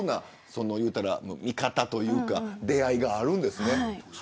そういうふうな見方というか出会いがあるんですね。